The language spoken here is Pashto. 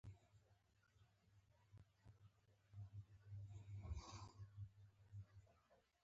که وغواړې زه کولی شم یو درته جوړ کړم